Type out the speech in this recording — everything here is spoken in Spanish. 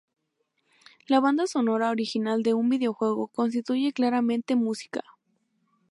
La banda sonora original de un videojuego constituye claramente música.